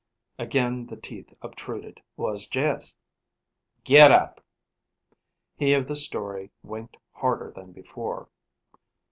Again the teeth obtruded. "Was jes' " "Get up!" He of the story winked harder than before.